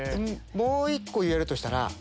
もう１個言えるとしたら。